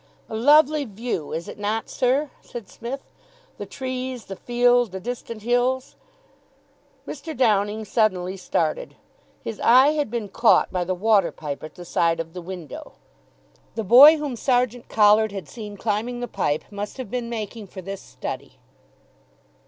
"A lovely view, is it not, sir?" said Psmith. "The trees, the field, the distant hills " Mr. Downing suddenly started. His eye had been caught by the water pipe at the side of the window. The boy whom Sergeant Collard had seen climbing the pipe must have been making for this study.